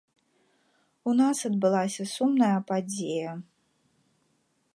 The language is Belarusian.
У нас адбылося сумная падзея.